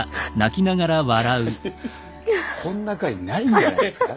こんな回ないんじゃないですか？